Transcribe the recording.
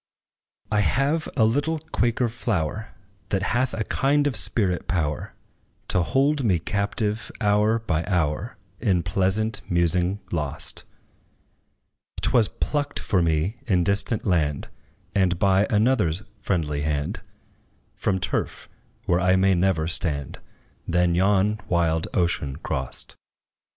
I have a little Quaker flower, That hath a kind of spirit power To hold me captive, hour by hour, In pleasant musing lost; 'T was plucked for me in distant land, And by another's friendly hand, From turf where I may never stand; Then yon wild ocean crossed.